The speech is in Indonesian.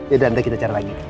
ya udah kita cari lagi